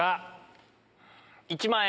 １万円。